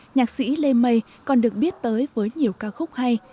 nhạc sĩ lê mây còn được biết tới với nhiều ca khúc hay